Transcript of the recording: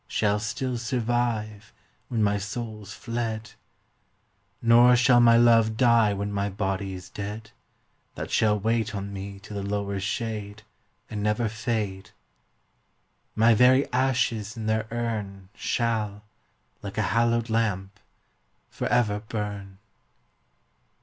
Shall still survive Wlien my soul's fled ; Nor shall my love die, when ray Ijody's dead ; That shall wait on me to the lower shade, And never fade : My very ashes in their urn Shall, like a hallowed lamp, for ever burn.